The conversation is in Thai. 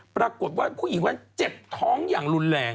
ปรากฏว่าผู้หญิงคนดังกล่าวนี้เจ็บท้องอย่างรุนแรง